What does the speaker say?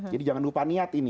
jadi jangan lupa niat ini